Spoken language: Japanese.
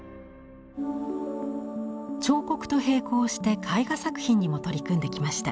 彫刻と並行して絵画作品にも取り組んできました。